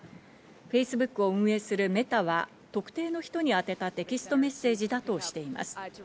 フェイスブックを運営するメタは特定の人に宛てたテキストメッセージだとしています。